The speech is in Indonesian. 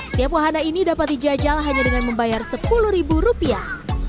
setiap wahana ini dapat dijajal hanya dengan membayar sepuluh ribu rupiah